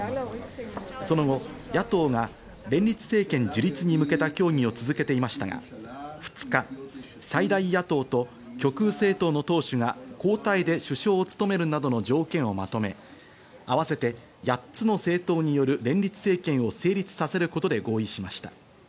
その後、野党が連立政権樹立に向けた協議を続けていましたが、２日、最大野党と極右政党の党首が交代で首相を務めるなどの条件をまとめ、合わせて８つの政党による連立政権を成立させることで合意しました。